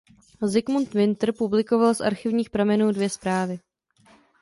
Zikmund Winter publikoval z archivních pramenů dvě zprávy.